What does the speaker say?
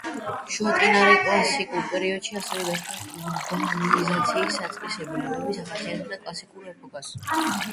შუა წინარეკლასიკურ პერიოდში ასევე გაჩნდა ურბანიზაციის საწყისები, რომლებიც ახასიათებდა კლასიკურ ეპოქას.